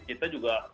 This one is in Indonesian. apakah itu juga masuk